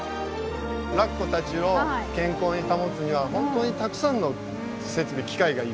ラッコたちを健康に保つには本当にたくさんの設備機械がいる。